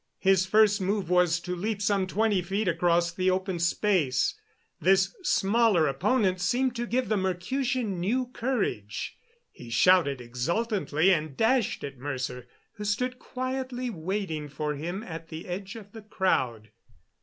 His first move was to leap some twenty feet across the open space. This smaller opponent seemed to give the Mercutian new courage. He shouted exultantly and dashed at Mercer, who stood quietly waiting for him at the edge of the crowd.